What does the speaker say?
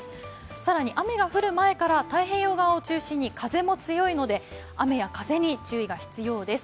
更に、雨が降る前から太平洋側を中心に風も強いので雨や風に注意が必要です。